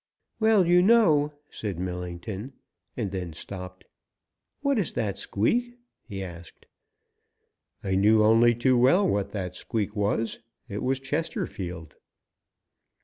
"Well, you know," said Millington, and then stopped. "What is that squeak?" he asked. I knew only too well what that squeak was. It was Chesterfield.